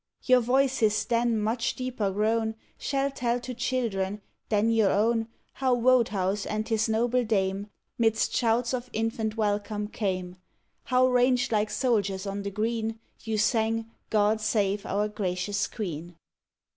Your voices then much deeper grown, Shall tell to children, then your own, How Wodehouse and his noble dame 'Midst shouts of infant welcome came; How ranged like soldiers on the green You sang "GOD SAVE OUR GRACIOUS QUEEN."